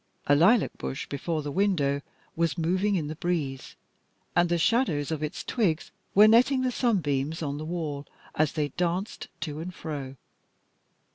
A lilac bush before the window was moving in the breeze, and the shadows of its twigs were netting the sunbeams on the wall as they danced to and fro.